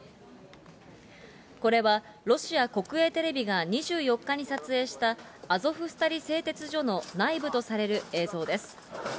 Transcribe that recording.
これは、ロシア国営テレビが２４日に撮影した、アゾフスタリ製鉄所の内部とされる映像です。